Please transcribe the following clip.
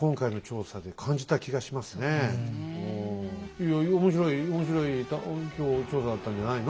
いや面白い面白い今日調査だったんじゃないの？